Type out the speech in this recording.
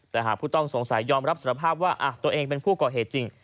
แต่หากผู้ต้องสงสัยยอมรับสารภาพว่าตัวเองเป็นผู้ก่อเหตุจริง